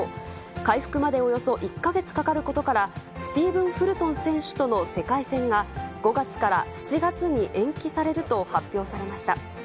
回復までおよそ１か月かかることから、スティーブン・フルトン選手との世界戦が、５月から７月に延期されると発表されました。